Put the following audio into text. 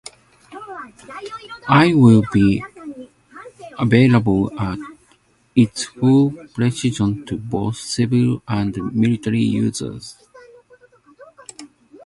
It will be available at its full precision to both civil and military users.